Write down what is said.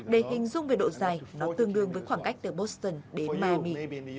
để hình dung về độ dài nó tương đương với khoảng cách từ boston đến maimi